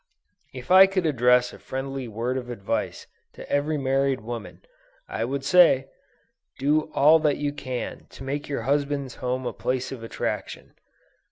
If I could address a friendly word of advice to every married woman, I would say, "Do all that you can to make your husband's home a place of attraction.